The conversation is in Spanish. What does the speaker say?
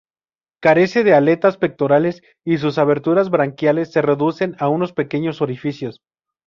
Carece de aletas pectorales y sus aberturas branquiales se reducen a unos pequeños orificios.